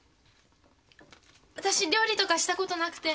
わたし料理とかしたことなくて。